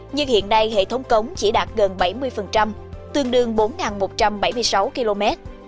nhưng hiện nay hệ thống cống chỉ đạt gần bảy mươi tương đương bốn một trăm bảy mươi sáu km